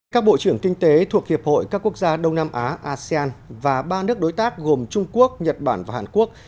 các bộ trưởng kinh tế thuộc hiệp hội các quốc gia đông nam á asean và ba nước đối tác gồm trung quốc nhật bản và hàn quốc